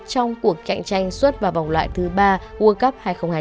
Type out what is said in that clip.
trong cuộc cạnh tranh xuất vào vòng loại thứ ba world cup hai nghìn hai mươi